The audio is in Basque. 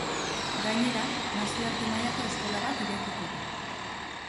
Gainera, nazioarte mailako eskola bat irekiko du.